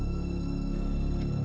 mas parto yang jaga